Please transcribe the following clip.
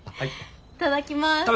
いただきます。